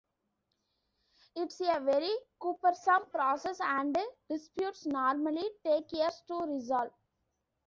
It's a very cumbersome process and disputes normally take years to resolve.